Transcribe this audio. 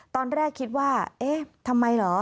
ตอนแรกคิดว่าเอ๊ะทำไมเหรอ